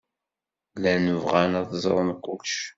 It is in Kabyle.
Llan bɣan ad ẓren kullec.